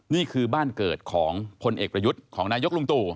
นี่คือบ้านเกิดของพลเอกประยุทธ์ของนายกลุงตู่